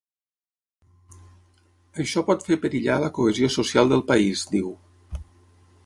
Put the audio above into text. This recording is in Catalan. Això pot fer perillar la cohesió social del país, diu.